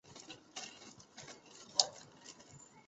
建造这个纪念馆是提高装甲兵的积极性。